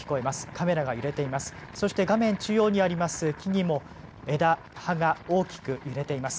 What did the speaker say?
カメラが揺れています。